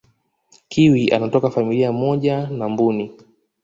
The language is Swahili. kiwi anatoka familia moja na mbuni